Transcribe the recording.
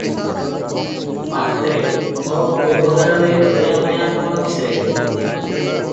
ପାତ୍ରେ- ହକ୍ ବେବହାରରେ ଦୟା ମାୟା କଣ ମିଶ୍ରେ?